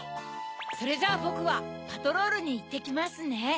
それじゃあぼくはパトロールにいってきますね。